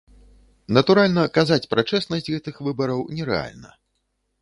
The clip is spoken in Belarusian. Натуральна, казаць пра чэснасць гэтых выбараў нерэальна.